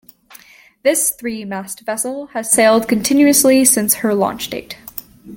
This three-masted vessel has sailed continuously since her launch date.